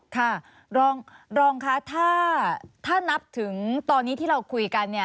ค่ะรองคะถ้านับถึงตอนนี้ที่เราคุยกันเนี่ย